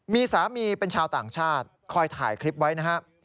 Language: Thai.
มีสามีเป็นชาวต่างชาติคอยถ่ายคลิปไว้นะครับ